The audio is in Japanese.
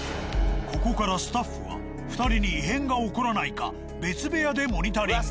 ここからスタッフは２人に異変が起こらないか別部屋でモニタリング。